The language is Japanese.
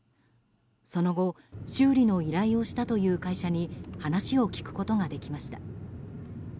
その後、修理の依頼をしたという会社に話を聞くことができました。